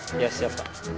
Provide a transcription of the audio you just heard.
iya siap pak